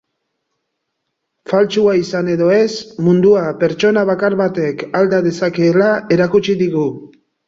Faltsua izan edo ez, mundua pertsona bakar batek alda dezakeela erakutsi digu.